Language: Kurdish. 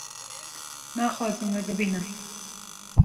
naxwazim we bibînim